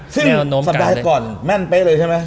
ซับดายก่อนแม่นไปเลยใช่ไหม